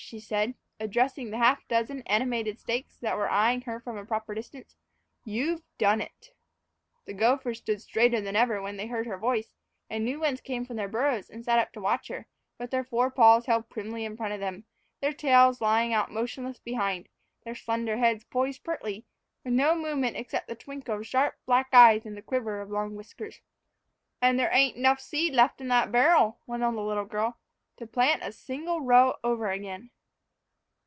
she said, addressing the half dozen animated stakes that were eying her from a proper distance, "you've done it!" The gophers stood straighter than ever when they heard her voice, and new ones came from their burrows and sat up to watch her, with their fore paws held primly in front of them, their tails lying out motionless behind, and their slender heads poised pertly with no movement except the twinkle of sharp, black eyes and the quiver of long whiskers. "And there ain't 'nough seed left in that barrel," went on the little girl, "to plant a single row over again."